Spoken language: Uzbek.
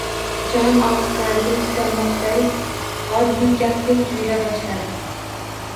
Jon og’riqlariga chidamoqday oddiy gapdek tuyula boshladi.